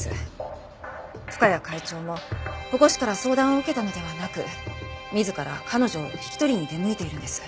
深谷会長も保護司から相談を受けたのではなく自ら彼女を引き取りに出向いているんです。